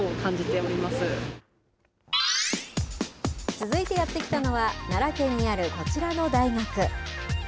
続いてやって来たのは、奈良県にある、こちらの大学。